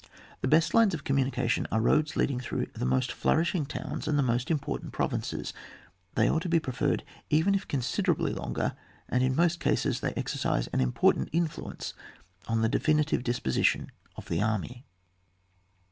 The best lines of commimication are roads leading through the most flourish ing towns and the most important pro vinces ; they ought to be preferred, even if considerably longer, and in most cases they exercise an important influence on the definitive disposition of the army.